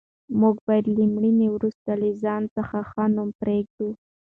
موږ باید له مړینې وروسته له ځان څخه ښه نوم پرېږدو.